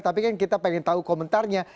tapi kan kita pengen tahu komentarnya